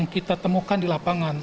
kita temukan di lapangan